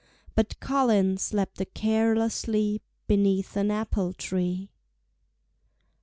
But Colin slept a careless sleep Beneath an apple tree.